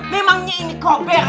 memangnya ini kobera